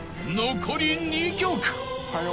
残り２曲］